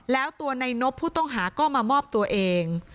แล้วตัวในนบผู้ต้องหาก็มามอบตัวเอง